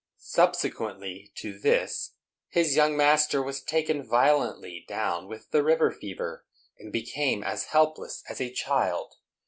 Subsequently to this, his young master was taken violently down with the river fever, and became as helpless as a child.